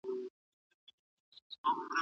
ما نېکمرغي په خپل کور کي وموندله.